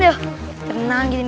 pelan pelan pelan